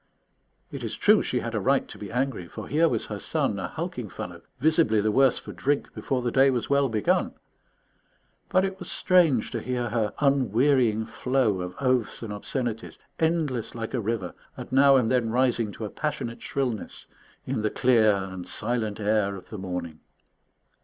It is true she had a right to be angry; for here was her son, a hulking fellow, visibly the worse for drink before the day was well begun. But it was strange to hear her unwearying flow of oaths and obscenities, endless like a river, and now and then rising to a passionate shrillness, in the clear and silent air of the morning.